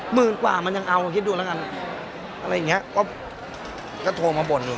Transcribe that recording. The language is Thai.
หมื่นกว่ามันยังเอาลองคิดดูแล้วกันอะไรอย่างเงี้ยก็โทรมาบ่นอยู่